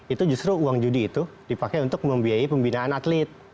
itu justru uang judi itu dipakai untuk membiayai pembinaan atlet